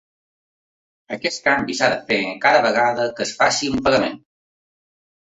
Aquest canvi s’ha de fer cada vegada que es faci un pagament.